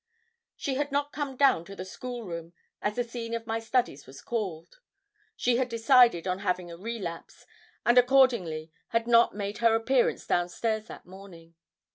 She had not come down to the school room, as the scene of my studies was called. She had decided on having a relapse, and accordingly had not made her appearance down stairs that morning.